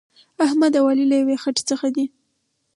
احمد او علي له یوې خټې څخه دي.